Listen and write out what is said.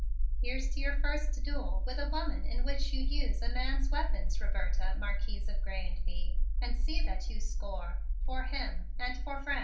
"Here's to your first duel with a woman in which you use a man's weapons, Roberta, Marquise of Grez and Bye, and see that you score for him and for France!"